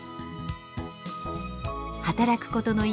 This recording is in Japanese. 「働くことの意味